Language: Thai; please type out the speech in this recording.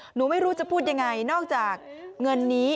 หนูไม่รู้จะพูดยังไงนอกจากเงินนี้